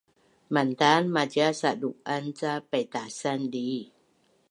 mantan macial sadu’an ca paitasan dii